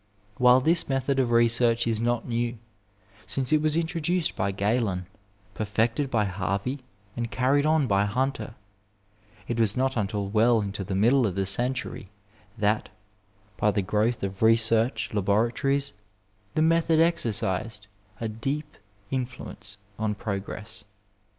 While this method of research is not new, since it was introduced by Oalen, perfected by Harvey, and carried on by Hunter, it was not until well into the middle of the century that, by the growth of research laboratories, the method exer cised a deep influence on progress.